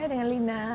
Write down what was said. saya dengan lina